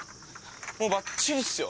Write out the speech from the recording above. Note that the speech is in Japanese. もうバッチリっすよ。